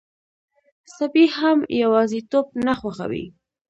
سپي هم یواځيتوب نه خوښوي.